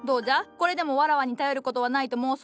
これでもわらわに頼る事はないと申すか？